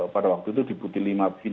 pada waktu itu di bukit lima bin